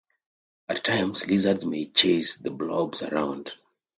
At times, lizards may chase the blobs around.